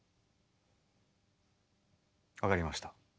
分かりました。